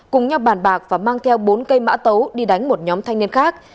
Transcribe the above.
cùng nhau bàn bạc và mang theo bốn cây mã tấu đi đánh một nhóm thanh niên khác